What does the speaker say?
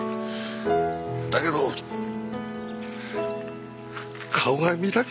だけど顔が見たくてな。